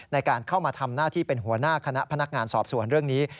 ในการเข้ามาทำหน้าที่เป็นหัวหน้าคณะพนักงานสอบสวนเรื่องนี้